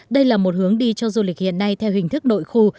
đây là một hướng đi cho du lịch hiện nay theo hình thức nội khu